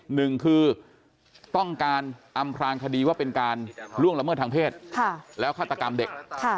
หนึ่งคือต้องการอำพลางคดีว่าเป็นการล่วงละเมิดทางเพศแล้วฆาตกรรมเด็ก